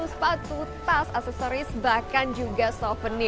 seperti mbak maya yang ada di belakang saya ini